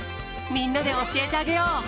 みんなでおしえてあげよう。